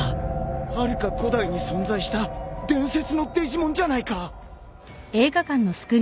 はるか古代に存在した伝説のデジモンじゃないか！